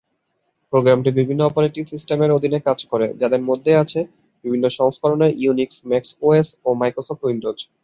প্রোগ্রামটি বিভিন্ন অপারেটিং সিস্টেমের অধীনে কাজ করে, যাদের মধ্যে আছে বিভিন্ন সংস্করণের ইউনিক্স, ম্যাক ওএস, ও মাইক্রোসফট উইন্ডোজ।